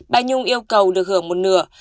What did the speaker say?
bà nhung yêu cầu được hưởng một nửa